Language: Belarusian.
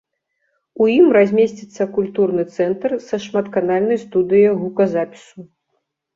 У ім размесціцца культурны цэнтр са шматканальнай студыяй гуказапісу.